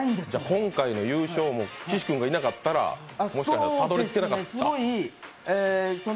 今回の優勝も岸君がいなかったらもしかしたらたどり着けなかった？